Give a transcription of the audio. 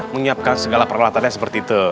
menyiapkan segala peralatannya seperti itu